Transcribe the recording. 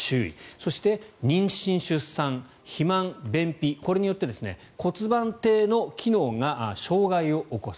そして、妊娠・出産肥満、便秘これによって骨盤底の機能が障害を起こす。